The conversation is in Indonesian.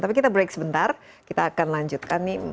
tapi kita break sebentar kita akan lanjutkan nih